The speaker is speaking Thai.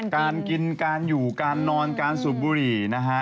การกินการอยู่การนอนการสูบบุหรี่นะฮะ